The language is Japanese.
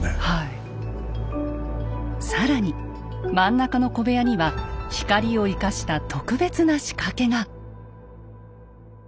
更に真ん中の小部屋には光を生かした特別な仕掛けが。